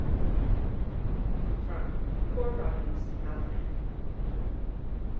From "Poor Robin's Almanack."